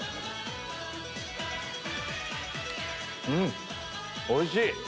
うんおいしい！